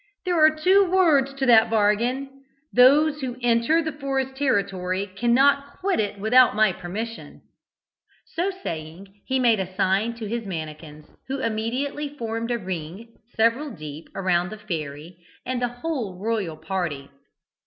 "There are two words to that bargain: those who enter the forest territory cannot quit it without my permission!" So saying, he made a sign to his mannikins, who immediately formed a ring, several deep, around the fairy and the whole royal party.